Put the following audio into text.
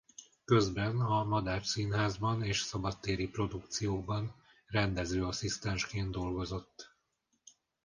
Közben a Madách Színházban és szabadtéri produkciókban rendezőasszisztensként dolgozott.